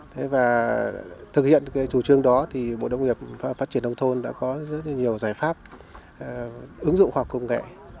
thực hiện thủ trương đó bộ đông nghiệp phát triển đông thôn đã có rất nhiều giải pháp ứng dụng khoa học công nghệ